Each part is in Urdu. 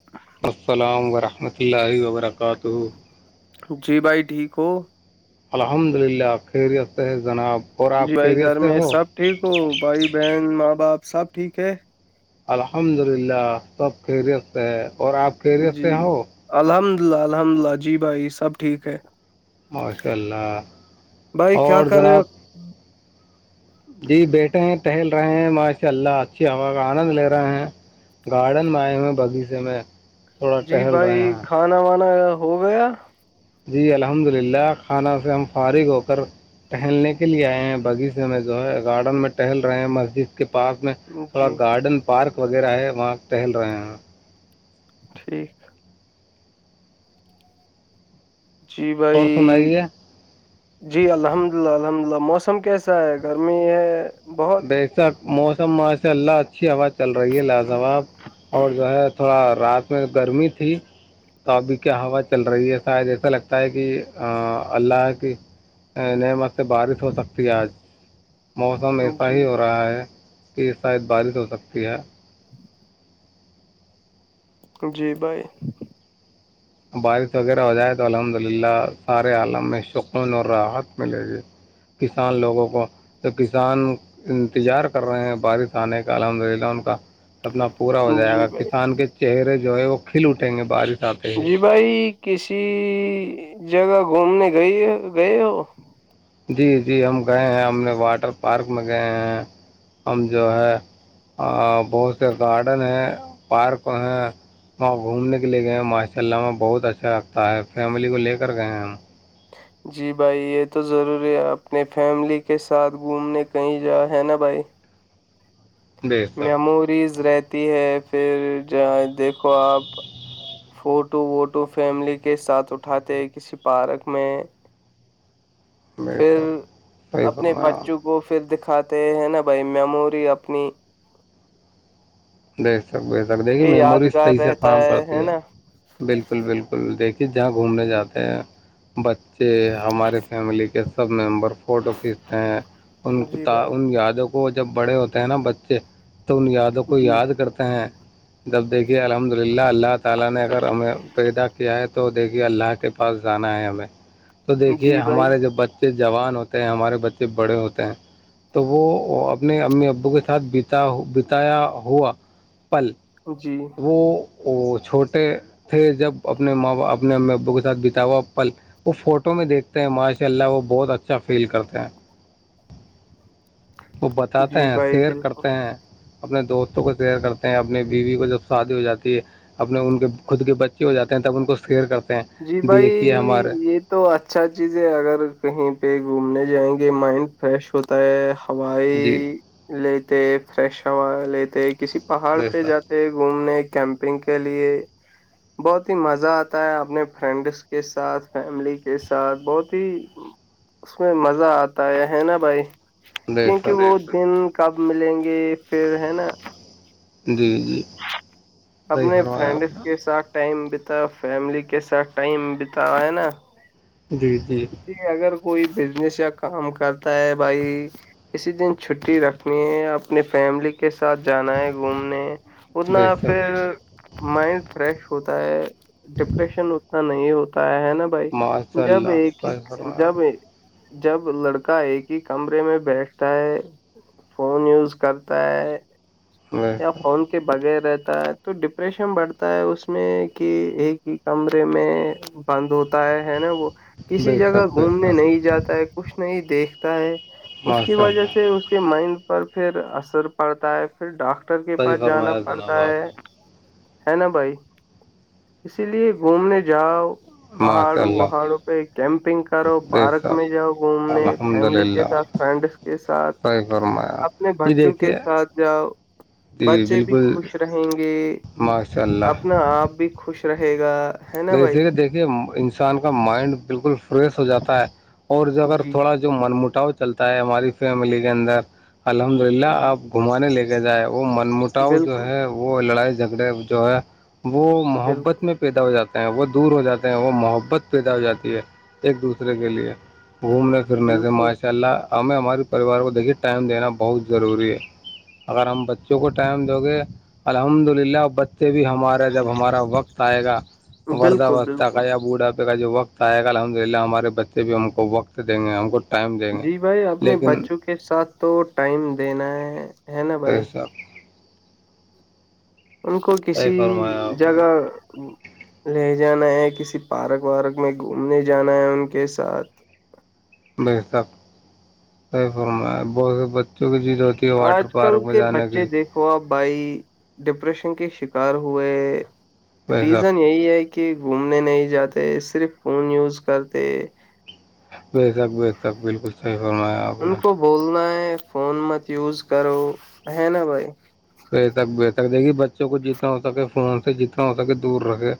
[inaudible] السلام ورحمۃ اللہ وبرکاتہ جی بھائی ٹھیک ہو الحمد للہ خیریت ہے جناب اور جی آپ بھائی خیریت گھر سے میں ہو سب ٹھیک ہو بھائی بہن ماں باپ سب ٹھیک ہے الحمد للہ سب خیریت ہے اور آپ خیریت جی سے ہو الحمدللہ الحمدللہ جی بھائی سب ٹھیک ہے ماشاء اللہ بھائی کیا اور کر رہے جناب ہو جی بیٹھے ہیں ٹہل رہے ہیں ماشا اللہ اچھی ہوا کا آنند لے رہے ہیں گارڈن میں آئے ہوئے بغیچے میں تھوڑا جی ٹہل بھائی رہے ہیں کھانا وانا ہو گیا جی الحمد للہ کھانا سے ہم فارغ ہو کر ٹہلنے کے لیے آئے ہیں بغیچے میں جو ہے گارڈن میں ٹہل رہے ہیں مسجد کے پاس میں تھوڑا جی گارڈن پارک وغیرہ ہے وہاں ٹہل رہے ہیں ٹھیک جی بھائی اور سنائیے جی الحمد للہ الحمدلہ موسم کیسا ہے گرمی ہے بہت ویسک موسم ماشاء اللہ اچھی ہوا چل رہی ہے لاجواب اور جو ہے تھوڑا رات میں گرمی تھی تو ابھی کیا ہوا چل رہی ہے شاید ایسا لگتا ہے کہ اللہ کی نعمت سے بارش ہو سکتی ہے آج موسم اس جی رہا ہے کہ یہ شاید بارش ہو سکتی ہے جی بھائی بارش وغیرہ ہو جائے تو الحمد للہ سارے عالم میں سکون اور راحت ملے گی کسان لوگوں کو تو کسان انتظار کر رہے ہیں بارش آنے کا الحمد للہ ان کا سپنا پورا ہو جائے جی گا بھائی کسان کے چہرے جو ہے وہ کھل اٹیں گے بارش آتے ہی جی بھائی کسی جگہ گھومنے گئے گئے ہو جی جی ہم گئے ہیں ہم نے واٹر پارک میں گئے ہیں ہم جو ہے بہت سے گارڈن ہیں پارک ہیں وہاں گھومنے کے لیے گئے ماشاء اللہہ بہت اچھا لگتا ہے فیملی کو لے کر گئے ہم [inaudible] جی بھائی یہ تو ضروری ہے اپنے فیملی کے ساتھ گھومنے کہیں جا ہے نا بھائی بے شک میموریز رہتی ہے پھر جہ دیکھو آپ فوٹو ووٹو فیملی کے ساتھ اٹھاتے کسی پارک میں [inaudible] بے پھر شک صحیح اپنے فرمایا بچوں کو وہ پھر دکھاتے ہیں نا بھائی میموری اپنی دیکھ سک سک دیکھیے یہ میموری یادگار صحیح سے رہتا کام کرتی ہے نا بالکل بالکل دیکھیے جہاں گھومنے جی جاتے ہیں بچے ہمارے فیملی کے سب ممبر فوٹو کھینچتے ہیں جی بھائی یادوں کو وہ جب بڑے ہوتے ہیں نا بچے تو ان یادوں کو جی یاد کرتے ہیں دیکھیں الحمدللہ اللہ تعالی نے اگر ہمیں پیدا کیا ہے تو دیکھیے اللہ کے پاس جانا ہے ہمیں تو دیکھیے جی بھائی ہمارے جوب بچے بچے جوان ہوتے ہیں ہمارے بچے بڑے ہوتے ہیں تو وہ اپنے امی ابو کے ساتھتا بتایا ہوا پل جی تو وہ چھوٹے تھے جب اپنے ماں باپ اپنے امی ابو کے ساتھ بتا ہوا پل وہ فوٹو میں دیکھتے ہیں ماشاء اللہ وہ بہت اچھا فیل کرتے ہیں وہ بتاتے جی ہیں بھائی شئر بالکل کرتے ہیں اپنے دوستوں کو شیئر کرتے ہیں اپنی بیوی کو جو شادی ہو جاتی ہے اپنے ان کے خود کے بچے ہو جاتے ہیں تب ان کو سیر کرتے ہیں جی بھائی دیکھیے ہمارے یہ تو اچھا چیز ہے اگر کہیں پہ گھومنے جائیں گے مائنڈ فریش ہوتا ہے ہوائی جی لیتے فریش ہوا لیتے کسی پہاڑ بیش پہ سک جات گھومنے کیمپنگ کے لیے بہت ہی مزہ آتا ہے اپنے فرینڈس کے ساتھ فیملی کے ساتھ بہت ہی اس میں مزہ آتا ہے ہے نا بھائی بیش کیونکہ وہ سک دن کب ملیں گے پھر ہے نا جی جی صحیح اپنے فرمایا آپ فرینڈس کے نے ساتھ ٹائم بتا فیملی کے ساتھ ٹائم بتا ہے نا جی جی اگر کوئی بزنس یا کام کرتا ہے بھائی اسی دن چھٹی رکھنی ہے اپنی فیملی کے ساتھ جانا ہے گھومنے اتنا بے شک پھر مائنڈ فریش ہوتا ہے ڈپریشن اتنا نہیں ہوتا ہے ہے نا بھائی ماشاء جب اللہ ایک ہی صحیح فرمایا جب آپ ایک جب لڑکا ایک ہی کمرے میں بیٹھتا ہے فون یوز کرتا ہے نے یا فون کی کے بغیر رہتا ہے تو ڈپریشن بڑھتا ہے اس میں کہ ایک ہی کمرے میں بند ہوتا ہے ہے نا وہ کسی بے جگہ شک بے شک بے گھومنے نہیں جاتا ہے کچھ نہیں دیکھتا ہے شک اس کی ماشاء وجہ اللہ سے اس کے مائنڈ پر پھر اثر پڑتا ہے پھر ڈاکٹر کے صحیح پاس جانا فرمایا پڑتا جناب آپ ہے نے ہے نا بھائی اسی لیے گھومنے جاؤ ماشاء پہاڑوں اللہ وہہاڑوں پ کیمپنگ کرو بے پارک میں شک جاؤ گھومنے الحمد فیملی کے للہ ساتھ فرینڈس کے ساتھ صحیح فرمایا اپنے جی بچوں کے دیکھیے ساتھ جاؤ جی بچے بھی بالکل خوش رہیں گے ماشاء اللہ اپنا آپ بھی خوش رہے گا ہے نا بھائی وے دیکھیے انسان کا مائنڈ بالکل فریش ہو جاتا ہے اور جو اگر جی تھوڑا جو من مٹاؤ چلتا ہے ہماری فیملی کے اندر الحمد للہ جی آپ گھمانے لے کے جائے وہ منمٹاؤ جو بالکل ہے وہ لڑائی جھگڑے جو ہے وہ محبت بالکل میں پیدا ہو جاتا وہ دور ہو جاتے ہیں وہ محبت پیدا ہو جاتی ہے ایک دوسرے کے لیے گھومنے پھرنے سے بالکل ماشاء اللہ ہمیں ہماراری پریوار کو دیکھیے ٹائم دینا بہت ضروری ہے اگر ہم بچوں کو ٹائم دو گے الحمد للہ اور بچے بھی ہمارے جب ہمارا وقت آئے گا وردہ بالکل وس بالکل تہقیا بوڑھا بھی کا جو وقت آئے گا الحمد للہ ہمارے بچے بھی ہم کو وقت دیں گے ہم کو ٹائم دیں گے جی بھائی اپنے لیکن بچوں کے ساتھ تو ٹائم دینا ہے ہے نا بھائی بھشک ان کو صحیح کسی فرمایا آپ جگہ نے لے جانا ہے کسی پارک وارک میں گھومنے جانا ہے ان کے ساتھ ب تک فرما بہت سے بچوں کی جد ہوتی ہے آج واٹر کل پارک میں کے جانے بچے لیے دیک ہوا بھائی ڈپریشن کے شکار ہوئے بے شک ریزن یہی ہے کہ کہ گھومنے نہیں جاتے صرف فون یوز کرتے بے شک بے شک بالکل صحیح فرمایا آپ ان نے کو بولنا ہے فون مت یوز کرو ہے نا بھائی بے تک بےتک دے گی بچوں کو جتنا ہو سکے فون سے جتنا ہو سکے دور رکھے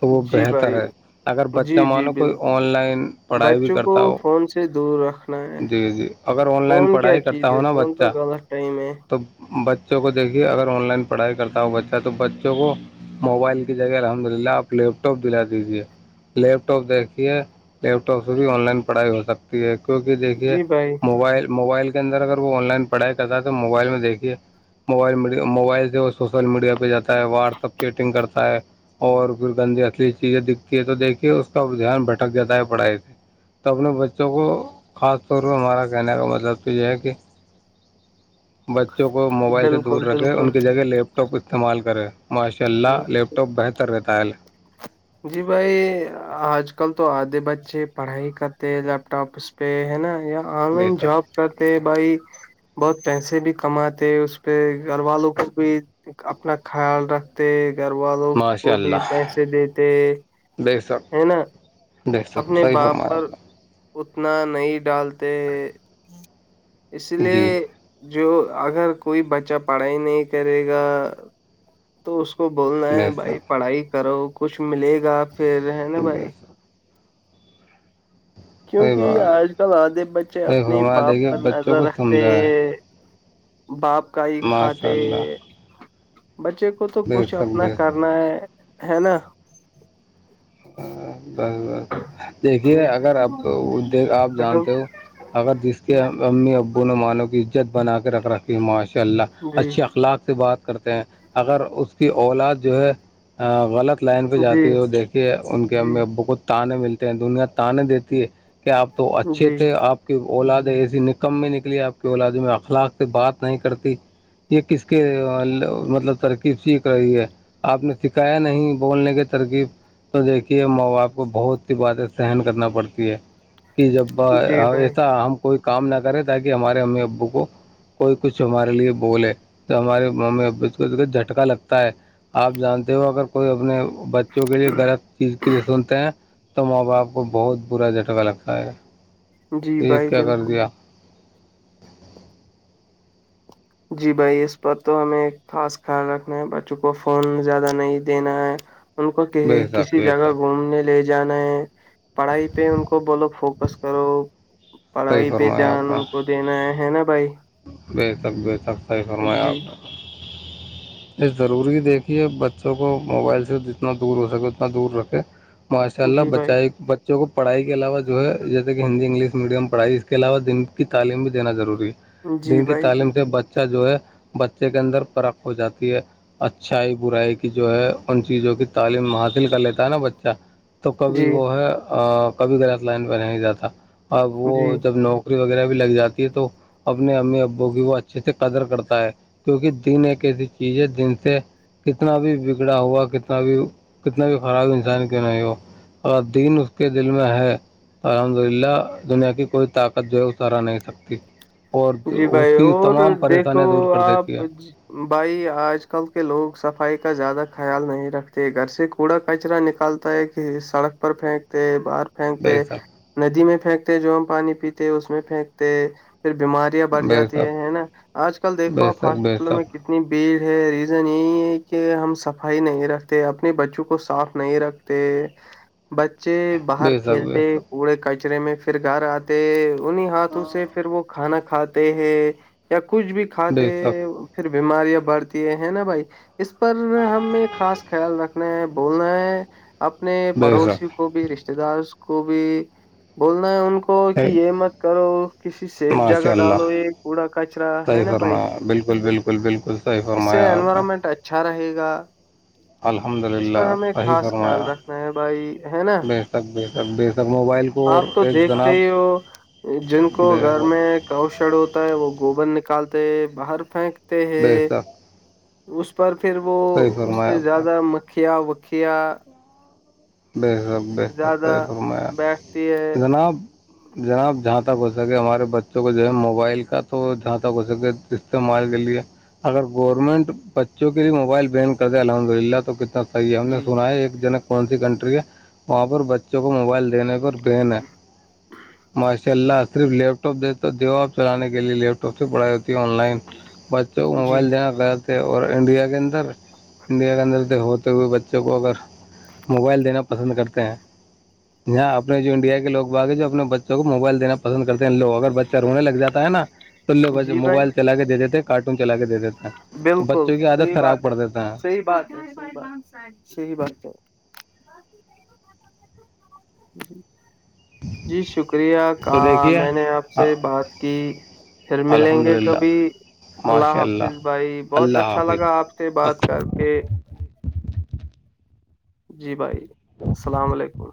تو وہ جی بھائی بہتر ہے اگر بچہ جی جی مانو کوئی بالکل آن بالکل۔ لائن پڑھائی بھی بچوں کو کرتا ہو فون سے دور ہے جی جی اگر آن لائن فون کیا پڑھائی کرتا چیز ہے ہوں نا فون تو بچہ غلط ٹائم ہے تو بچوں کو دیکھیے اگر آن لائن پڑھائی کرتا ہو بچہ تو بچوں کو موبائل کی جگہ الحمد للہ آپ لیپ ٹاپ دلا دیجے لیپ ٹاپ دیکھیے لیپ ٹاپ سے بھی آن لائن پڑھائی ہو سکتی ہے کیوںکہ دیکھیے جی بھائی موبائل موبائل کے اندر اگر وہ آن لائن پڑھائی کرتا ہے تو موبائل میں دیکھیے موبائلی موبائل سے وہ سوشل میڈیا پہ جاتا ہے واٹسپ چیٹنگ کرتا ہے اور پھر گندی اصلی چیزیں دکھتی ہے تو دیکھیے اس کا دھیان بھٹک جاتا ہے پڑھائی سے تو اپنے بچوں کو خاص طور پ ہمارا کہنے کا مطلب تو یہ ہے کہ بچوں کو موبائل سے دور بالکل رکھے ان بالکل کے جگہ لیپ ٹاپ استعمال کریں ماشاء اللہ لیپ ٹاپ تو بہتر رہتا ہے جی بھائی آج کل تو آدھے بچے پڑھائی کرتے ہیں لیپ ٹاپ پہ ہے نا یا آن بے لائن شک جاب کرتے بھائی بہت پیسے بھی کماتے اس پہ گھر والوں کو بھی اپنا خیال رکھ تھ گھر والوں ماشاء کو بھی اللہ پیسے دیتے بے شک ہے نا بے شک اپنے صحیح باپ فرمایا پر آپ اتنا نہیں ڈالتے اس نے لیے جی جو اگر کوئی بچہ پڑھائی نہیں کرے گا تو اس کو بولنا ہے بے بھائی شک پڑھائی کرو کچھ ملے گا پھر ہے نا بے بھائی شک صحیح کیوںکہ بات ہے آج کل آدھے بچے صحیح اپنے ہی فرما باپ دیکھیے پر بچوں نظر کو رکھتے سمجھا ہے ہیں باپ کا ہی ماشاء کھاتے اللہ بچے کو تو بے کچھ شک اپنا بے شک کرنا ہے ہے نا بس بس دیکھیے جی بھائی اگر آپ آپ بیٹھو جانتے ہو اگر جس کے امی ابو نے مانوں کیزت بنا کے رکھ را پھر ماشاء اللہ جی اچھے اخلاق سے بات کرتے ہیں اگر اس کی اولاد جو ہے ہ غلط لائن پہ جی جاتی ہے وہ دیکھ کہ ان کے امی ابو کو تانے ملتے ہیں دنیا تاننے دیتی ہے کہ آپ تو اچھے جی تھے آپ کی اولادیں ایسی نکم میں نکلی آپ کی اولاد میں اخلاق سے بات نہیں کرتی یہ کس کے مطلب ترکیب سی رہی ہے آپ نے فکھایا نہیں بولنے کی ترکیب تو دیکھیے ماں باپ کو بہت سی باتیں سہن کرنا پڑتی ہے کہ جب جی بھائی ایسا ہم کوئی کام نہ کریں تاکہ ہمارے امی ابو کو کوئی کچھ ہمارے لیے بولے تو ہمارے م ا کو جھٹکا لگتا ہے آپ جانتے ہو اگر کوئی اپنے بچوں کے لیے غلط چیز کے لیے سنتے ہیں تو ماں باپ کو بہت برا جھٹکا لگتا ہے جی یہ بھائی کیا کر بالکل دیا جی بھائی اس پر تو ہمیں خاص خیال رکھنا ہے بچوں کو فون زیادہ نہیں دینا ہے ان کو کسی بے شک کسی بے جگہ شک گھومنے لے جانا ہے پڑھائی پہ ان کو بولو فوکس کرو صحیح پڑھائی پہ فرمایا دھیان آپ نے کو دینا ہے نا بھائی بے تک بیے تک صیح فرما آپ جی یہ ضروری دیکھیے بچوں کو موبائل سے جتنا دور ہو سکے اتنا دور رکھے ماشاء اللہ جی بھائی بچائے وں کو پڑھائی کے علاوہ جو ہے جیسے کہ ہند انگلش میڈیم پڑھائی اس کے علاوہ دن کی تعلیم بھی دینا ضروری ہے جی دن کی بھائی جی تعلیم سے بچہ جو ہے بچے کے اندر فرخ ہو جاتی ہے اچھائی برائی کی جو ہے ان چیزوں کی تعلیم حاصل کر لیتا ہے نا بچہ تو کبھی جی وہ ہے کبھی غلط لائن پہ نہیں جاتا اب وہ جی جب نوک پری وغیرہ بھی لگ جاتی ہے تو اپنے امی ابو کی وہ اچھے سے قدر کرتا ہے کیونکہ دن ایک ایسی چیز ہے دن سے کتنا بھی بگڑا ہوا کتنا بھی کتنا بھی خراب انسان کیوں نہیں ہو اور دین اس کے دل میں ہے الحمد للہ دنیا کی کوئی طاقت جو ہے اترا نہیں سکتی اور جی اس بھائی کی اور تمام دیکھو پریشانیاں دور کر دیتی آپ ہے بھائی آج کل کے لوگ صفائی کا زیادہ خیال نہیں رکھتے گھر سے کوڑا کچرا نکالتا ہے سڑک پر پھینکتے باہر بے پھینکتے شک ندی میں پھینکتے جو ہم پانی پیتے اس میں پھینکتے پھر بیماری بڑ بے جات شک ہے نا آج کل بے دیکھوپ شک بے ہاسپٹلوں میں شک کنی اتنی بھیڑ ہے ریزن یہی ہے کہ ہم صفائی نہیں رکھتے اپنے بچوں کو صاف نہیں رکھ تو بچے باہر بے شک کھیلتے کوڑے کچرے میں پھر گھر آتے انہیں ہاتھوں سے پھر وہ کھانا کھاتے ہیں یا کچھ بھی کھاتے بے شک ہیں پھر بیماریاں بڑھتی ہیں نا بھائی اس پر ہمیں خاص خیال رکھنا ہے بولنا ہے اپنے بے شک بے پڑوسی شک کو کو بھی رشتے دار کو بھی بولنا ہے ان کو رو کہ یہ مت کرو کسی سیب ماشاء جگہ اللہ ڈالو یہ کوڑا کچرا ہے صحیح نا بھائی فرمایا بالکل بالکل بالکل صحیح اس سے فرمایا آپ نے انوائرمنٹ اچھا اچھا رہے گا الحمد اس للہ پر ہمیں صحیح خاص فرمایا خیال رکھنا ہے بھائی ہے نا بتک بر بے شک موبائل کو اور آپ تو ایک دیکھتے جناب ہی ہو جن کو بے گھر شک میں کوشل ہوتا ہے وہ گوبر نکالتے ہیں باہر پھینکتے بے ہیں شک اس پر پھر وہ صحیح اس سے فرمایا آپ نے زیادہ مکھیا وکھیا بے حاک ب حق زیادہ سی فرمایا بیٹھتی ہے جناب جناب جہاں تک ہو سکے ہمارے بچوں کو جو ہے موبائل کا تو جہاں تک ہو سکے استعمال کے لیے اگر گورنمنٹ بچوں کے لیے موبائل بین کر د الحمد للہ تو کتنا یہ ہم نے جی سنا ہے ایک جنک کون سی کنٹری ہے وہاں پر بچوں کو موبائل دینے پر پین م چل رہنا صرف لیپ ٹاپ دے تو دو ہو آپ چلانے کے لیے لیپ ٹاپ سے پڑھائی ہوتی ہے آن لائن بچوں کو جی موبائل دینا غرط اور انڈیا کے اندر انڈیا کے اندر تو ہوتے ہوئے بچوں کو اگر موبائل دینا پسند کرتے ہیں یہاں اپنے جو انڈیا کے لوگ باغی جو اپنے بچوں کو موبائل دینا پ پسند کرتے ہیں لوگ اگر بچہ رونے لگ جا ہے نا تو ل جی بھائی موبائل چلا کے دے دیتے ہیں کارٹون چلا کے دے دیتے تو بالکل بچوں کی عادت خراب پڑ دیتا ہے سی بات تو جی جی شکریہ تو کا دیکھیے میں نے آپ سے بات کی پھر ملیں الحمد گے للہ کبھی ماشاء اللہ حفظ بھائی بہت اللہ اچھا لگا آپ سے حافظ بات کر کے جی بھائی السلام علیکم